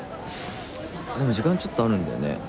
でも時間ちょっとあるんだよね。